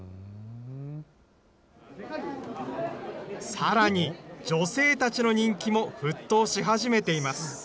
さらに、女性たちの人気も沸騰し始めています。